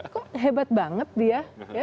kok hebat banget dia